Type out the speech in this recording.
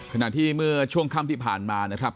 ขณะที่เมื่อช่วงค่ำที่ผ่านมานะครับ